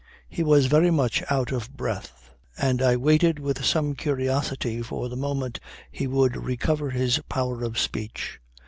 He was very much out of breath, and I waited with some curiosity for the moment he would recover his power of speech.